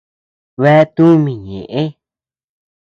Bea tumi ñeʼe.